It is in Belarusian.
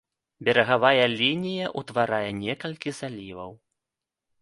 Берагавая лінія ўтварае некалькі заліваў.